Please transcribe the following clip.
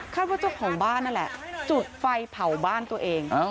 ว่าเจ้าของบ้านนั่นแหละจุดไฟเผาบ้านตัวเอง